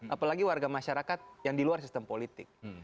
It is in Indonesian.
apalagi warga masyarakat yang di luar sistem politik